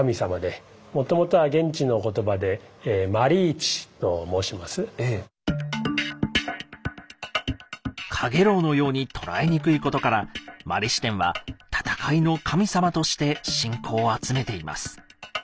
もともとはカゲロウのように捉えにくいことから摩利支天は戦いの神様として信仰を集めています。